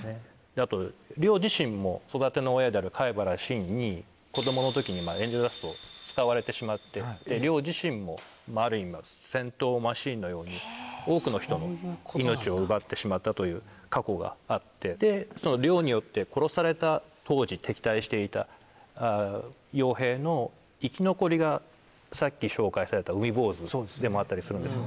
あと自身も育ての親である海原神に子供の時にエンジェルダストを使われてしまって自身もある意味戦闘マシンのように多くの人の命を奪ってしまったという過去があってそのによって殺された当時敵対していた傭兵の生き残りがさっき紹介された海坊主でもあったりするんです。